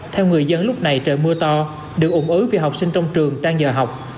theo người dân lúc này trời mưa to được ủng ứ vì học sinh trong trường đang nhờ học